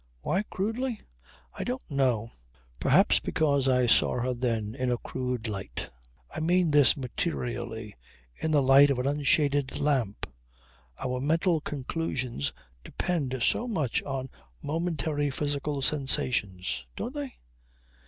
Why crudely? I don't know. Perhaps because I saw her then in a crude light. I mean this materially in the light of an unshaded lamp. Our mental conclusions depend so much on momentary physical sensations don't they?